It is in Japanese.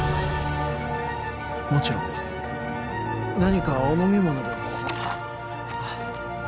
もちろんです何かお飲み物でもどうぞお先に